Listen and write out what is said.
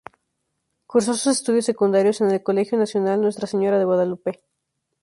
Cursó sus estudios secundarios en el Colegio Nacional Nuestra Señora de Guadalupe.